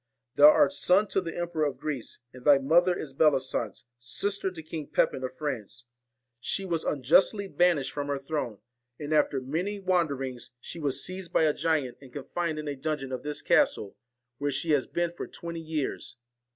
Thou art son to the Emperor of Greece, and thy mother is Bellisance, sister to King Pepin of France. She was unjustly 48 banished from her throne, and after many wander VALEN ings, she was seized by a giant and confined in a TINE Q jJ D dungeon of this castle, where she has been for OR SON twenty years.